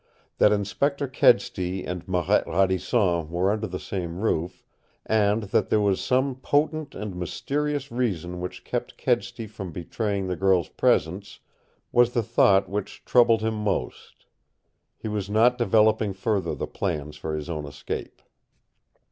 That Inspector Kedsty and Marette Radisson were under the same roof, and that there was some potent and mysterious reason which kept Kedsty from betraying the girl's presence, was the thought which troubled him most. He was not developing further the plans for his own escape.